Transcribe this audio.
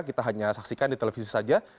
kita hanya saksikan di televisi saja